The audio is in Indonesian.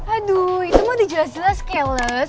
aduh itu mau dijelas jelas chaos